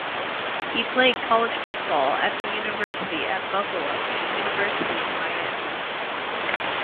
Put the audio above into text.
He played college football at the University at Buffalo and University of Miami.